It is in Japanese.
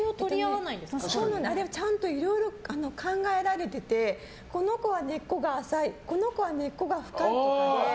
ちゃんといろいろ考えられててこの子は根っこが浅いこの子は根っこが深いとかで。